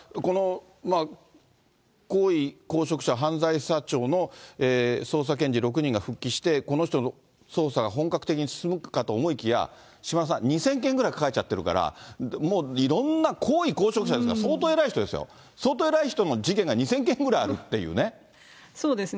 だから高位公職者犯罪捜査庁の捜査検事６人が復帰して、この人の捜査が本格的に進むかと思いきや、島田さん、２０００件ぐらい抱えちゃってるから、もういろんな高位公職者ですから、相当偉い人ですよ、相当偉い人の事件が２０００件ぐらいそうですね。